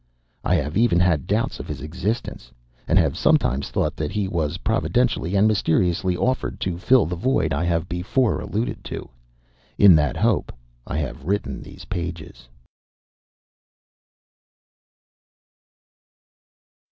I have even had doubts of his existence, and have sometimes thought that he was providentially and mysteriously offered to fill the void I have before alluded to. In that hope I have written these pages.